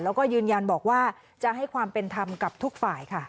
แล้วก็ยืนยันบอกว่าจะให้ความเป็นธรรมกับทุกฝ่ายค่ะ